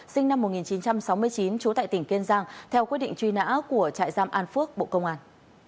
sinh năm một nghìn chín trăm sáu mươi chín trú tại tỉnh kiên giang theo quyết định truy nã của trại giam an phước bộ công an